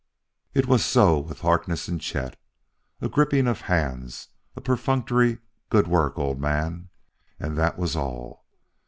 It was so with Harkness and Chet. A gripping of hands; a perfunctory, "Good work, old man!" and that was all.